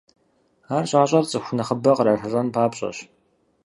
Ар щӀащӀэр цӀыху нэхъыбэ кърашалӀэн папщӏэщ.